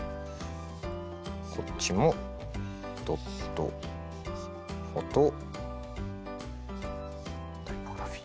こっちもドットフォトタイポグラフィ。